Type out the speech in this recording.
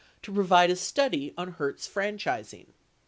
to provide a study on Hertz franchising.